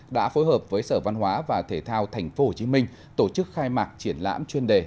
đã phối hợp với sở văn hóa và thể thao thành phố hồ chí minh tổ chức khai mạc triển lãm chuyên đề